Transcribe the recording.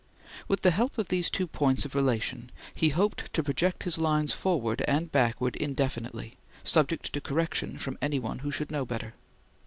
With the help of these two points of relation, he hoped to project his lines forward and backward indefinitely, subject to correction from any one who should know better."